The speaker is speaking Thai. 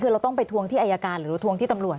คือเราต้องไปทวงที่อายการหรือทวงที่ตำรวจ